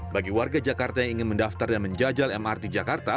bagi warga jakarta yang ingin mendaftar dan menjajal mrt jakarta